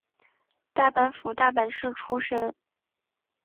大阪府大阪市出身。